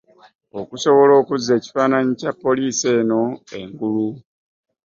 Okusobola okuzza ekifaananyi kya poliisi eno engulu